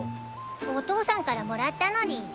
お父さんからもらったのでぃす。